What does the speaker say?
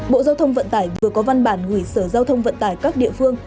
bộ giao thông vận tải vừa có văn bản gửi sở giao thông vận tải các địa phương